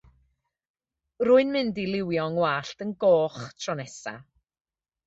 Rwy'n mynd i liwio 'ngwallt yn goch tro nesa.